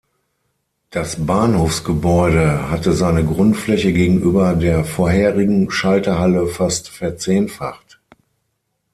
Das Bahnhofsgebäude hatte seine Grundfläche gegenüber der vorherigen Schalterhalle fast verzehnfacht.